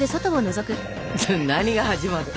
何が始まった？